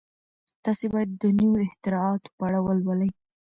تاسي باید د نویو اختراعاتو په اړه ولولئ.